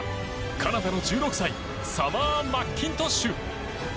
カナダの１６歳サマー・マッキントッシュ。